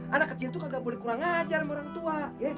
anak kecil itu kagak boleh kurang ajar sama orang tua